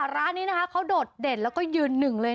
ร้านนี้นะคะเขาโดดเด่นแล้วก็ยืนหนึ่งเลย